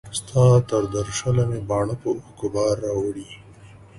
ستا تر درشله مي باڼو په اوښکو بار راوړی